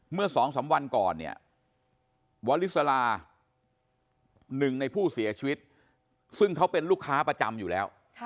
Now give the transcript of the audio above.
เมื่อ๒๓วันก่อนเนี่ยวลิสลา๑ในผู้เสียชีวิตซึ่งเขาเป็นลูกค้าประจำอยู่แล้ว